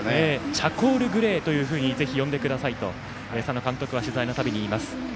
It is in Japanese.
チャコールグレーとぜひ呼んでくださいと佐野監督は取材のたびに言います。